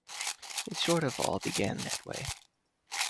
It sort of all began that way.